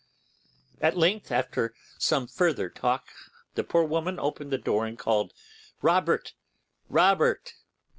At length, after some further talk, the poor woman opened the door and called, 'Robert, Robert'.